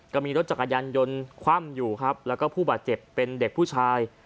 ก็มีรถจักรยานยนต์คว่ำอยู่ครับแล้วก็ผู้บาดเจ็บเป็นเด็กผู้ชาย